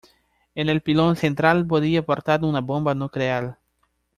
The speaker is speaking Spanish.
En el pilón central podía portar una bomba nuclear.